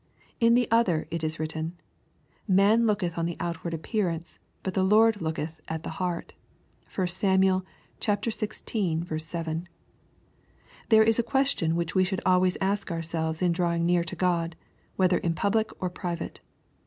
In the other it is written, " Man looketh on the outward appearance, but the Lord looketh at the heart." (1 Sam. xvi. 7.) There is a question which we should always ask ourselves in draw ing near to God, whether in public or private.